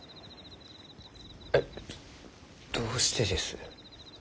えっどうしてです？